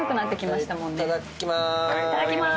いただきまーす！